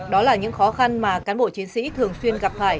đó là những khó khăn mà cán bộ chiến sĩ thường xuyên gặp phải